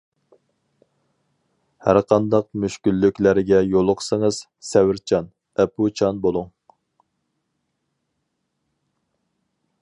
ھەرقانداق مۈشكۈللۈكلەرگە يولۇقسىڭىز، سەۋرچان، ئەپۇچان بولۇڭ.